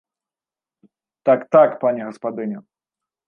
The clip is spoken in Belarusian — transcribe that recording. Так, так, пані гаспадыня!